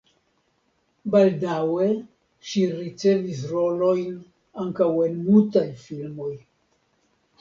Baldaŭe ŝi ricevis rolojn ankaŭ en mutaj filmoj.